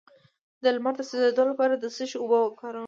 د لمر د سوځیدو لپاره د څه شي اوبه وکاروم؟